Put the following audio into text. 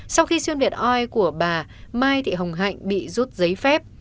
sau khi xuyên việt oi của bà mai thị hồng hạnh bị rút giấy phép